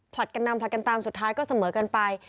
กันนำผลัดกันตามสุดท้ายก็เสมอกันไป